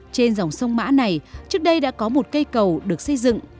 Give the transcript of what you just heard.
trên dòng sông mã này trước đây đã có một cây cầu được xây dựng